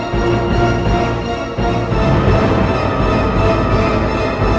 sebelum bulan kabangan tiba